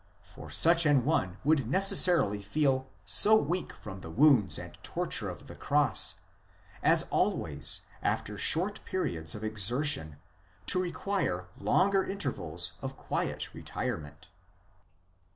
for such an one would necessarily feel so weak from the wounds and torture of the cross, as always after short periods of exertion to require longer inter vals of quiet retirement.